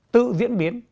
tự diễn biến tự chuyển